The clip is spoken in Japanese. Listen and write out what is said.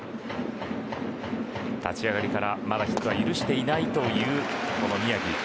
立ち上がりからまだヒットは許していないというこの宮城。